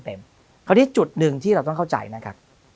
คราวนี้จุดหนึ่งที่เราต้องเข้าใจนะครับ